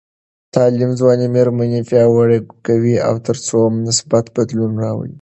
تعلیم ځوانې میرمنې پیاوړې کوي تر څو مثبت بدلون راولي.